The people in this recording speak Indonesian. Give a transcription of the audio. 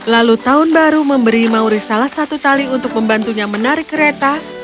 lalu tahun baru memberi mauri salah satu tali untuk membantunya menarik kereta